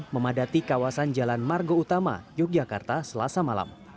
memadati kawasan jalan margo utama yogyakarta selasa malam